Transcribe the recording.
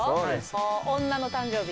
もう女の誕生日。